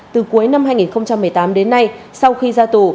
từ cuối năm hai nghìn một mươi tám đến nay sau khi ra tù